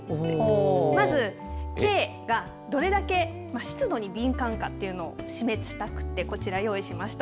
まず毛がどれだけ湿度に敏感かというのを示したくてこちら用意しました。